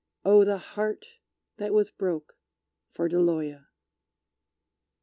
Oh, the heart that was broke for Deloya!